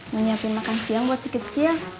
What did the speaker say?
nge ngiapin makan siang buat si kecil